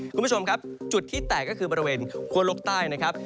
คุณผู้ชมครับจุดที่แตกก็คือบริเวณคั่วโลกใต้นะครับ